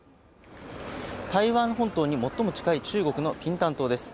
台湾本島に最も近い中国の平潭島です。